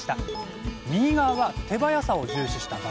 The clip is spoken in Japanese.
右側は手早さを重視した場合。